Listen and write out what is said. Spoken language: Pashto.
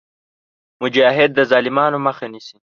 مجاهد د ظالمانو مخه نیسي.